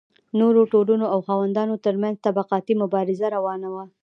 نورو ټولنو او خاوندانو ترمنځ طبقاتي مبارزه روانه وه.